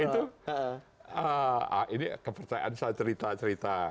itu ini kepercayaan saya cerita cerita